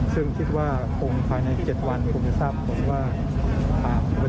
ซึ่งคิดว่าคงภายใน๗วันคงจะทราบผลว่า